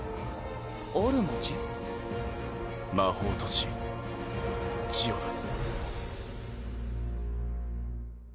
魔法都市ジオだ。